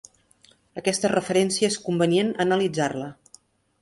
Aquesta referència és convenient analitzar-la.